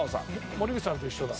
森口さんと一緒だ。